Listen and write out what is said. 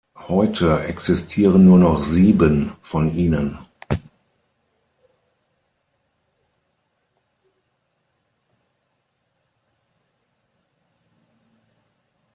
Heute existieren nur noch sieben von ihnen.